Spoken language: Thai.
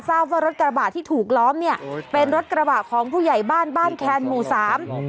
ทราบว่ารถกระบะที่ถูกล้อมเนี่ยเป็นรถกระบะของผู้ใหญ่บ้านบ้านแคนหมู่สาม